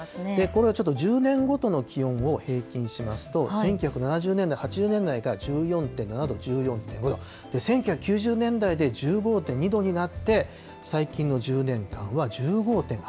これはちょっと１０年ごとの気温を平均しますと、１９７０年代、１９８０年代から１４．７度、１４．５度、１９９０年代で１５．２度になって、最近の１０年間は１５．８度。